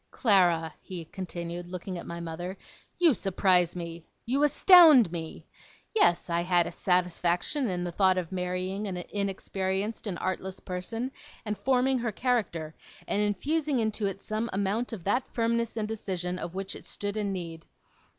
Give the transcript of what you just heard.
'Clara,' he continued, looking at my mother, 'you surprise me! You astound me! Yes, I had a satisfaction in the thought of marrying an inexperienced and artless person, and forming her character, and infusing into it some amount of that firmness and decision of which it stood in need.